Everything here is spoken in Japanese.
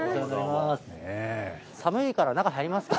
寒いから中入りますか。